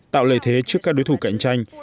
tạo lời thế trước các đối thủ cạnh tranh